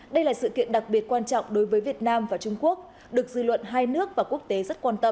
đây là sự kiện đặc biệt quan trọng đối với việt nam và trung quốc được dư luận hai nước và quốc tế rất quan tâm